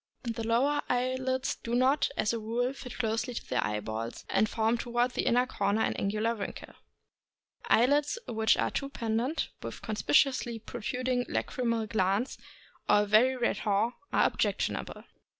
The lower eye lids do not, as a rule, fit close to the eyeballs, and form toward the inner corner an angular wrinkle. Eyelids which are too pendent, with conspicuously protruding lachrymal glands, or a very red haw, are objectionable.